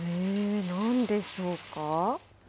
なんでしょうか。